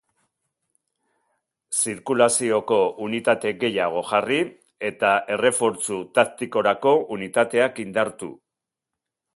Zirkulazioko unitate gehiago jarri eta errefortzu taktikorako unitateak indartu.